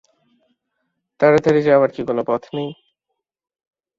তাড়াতাড়ি যাওয়ার কি কোনো পথ নেই?